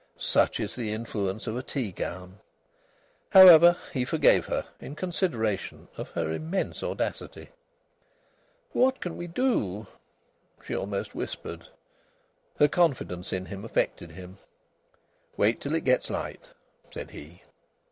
Such is the influence of a tea gown. However, he forgave her, in consideration of her immense audacity.) "What can we do?" she almost whispered. Her confidence in him affected him. "Wait till it gets light," said he.